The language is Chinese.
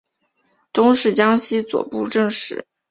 终仕江西左布政使。